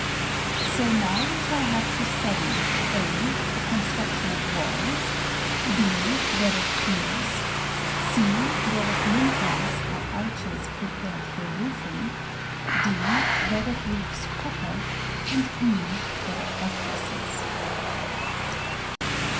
So now we shall have to study: (A) the construction of walls; (B) that of piers; (C) that of lintels or arches prepared for roofing; (D) that of roofs proper; and (E) that of buttresses.